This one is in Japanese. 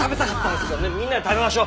みんなで食べましょう！